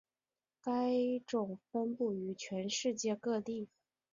该种分布于全世界各地。